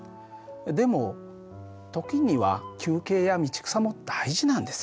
でも時には休憩や道草も大事なんです。